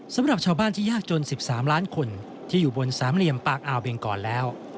สำหรับชาวบ้านที่ยากจน๑๓ล้านคนที่อยู่บนสามเหลี่ยมปากอ่าวเบงกรแล้ว